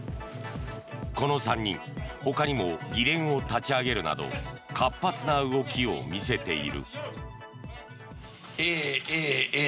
この３人、ほかにも議連を立ち上げるなど活発な動きを見せている。